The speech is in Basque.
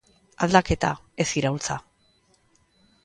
Aldaketa, ez iraultza.